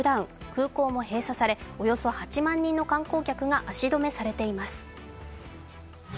空港も閉鎖され、およそ８万人の観光客が足止めされています。